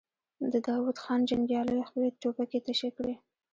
د داوود خان جنګياليو خپلې ټوپکې تشې کړې.